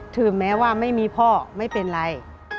ถึงแม้ว่าไม่มีพ่อไม่เป็นไร